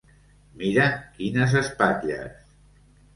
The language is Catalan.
Mira quines espatlles!